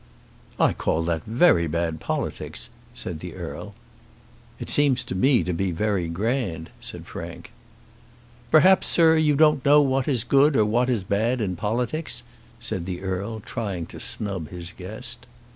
"I call that very bad politics," said the Earl. "It seems to me to be very grand," said Frank. "Perhaps, sir, you don't know what is good or what is bad in politics," said the Earl, trying to snub his guest.